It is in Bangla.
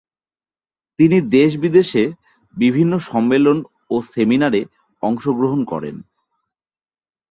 তিনি দেশ-বিদেশে বিভিন্ন সম্মেলন ও সেমিনারে অংশগ্রহণ করেন।